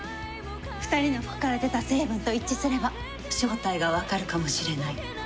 ２人の服から出た成分と一致すれば正体がわかるかもしれない。